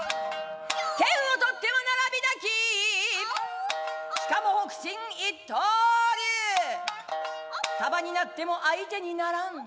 「剣をとっては並びなき」「しかも北辰一刀流」「束になっても相手にならん」